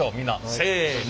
せの。